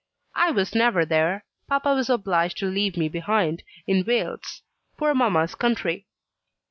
"I was never there. Papa was obliged to leave me behind, in Wales poor mamma's country.